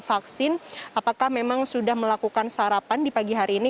vaksin apakah memang sudah melakukan sarapan di pagi hari ini